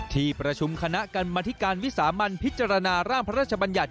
ที่ประชุมคณะกรรมธิการวิสามันพิจารณาร่างพระราชบัญญัติ